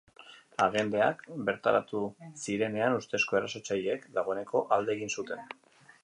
Agenteak bertaratu zirenean, ustezko erasotzaileek dagoeneko alde egin zuten.